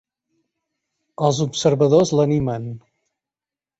Els observadors l'animen.